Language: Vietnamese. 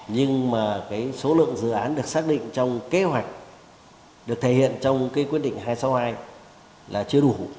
nhưng mà cái số lượng dự án được xác định trong kế hoạch được thể hiện trong cái quyết định hai trăm sáu mươi hai là chưa đủ